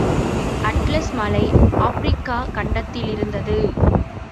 Atlas மலை ஆப்பிரிக்க, கண்டத்திலிருந்தது.